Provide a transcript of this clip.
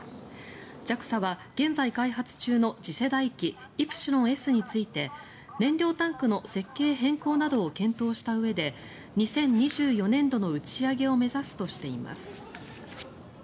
ＪＡＸＡは現在開発中の次世代機イプシロンＳについて燃料タンクの設計変更などを検討したうえで２０２４年度の打ち上げを目指すとしています。